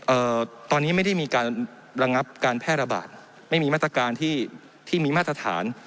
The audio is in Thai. เอ่อตอนนี้ไม่ได้มีการระงับการแพร่ระบาดไม่มีมาตรการที่ที่มีมาตรฐาน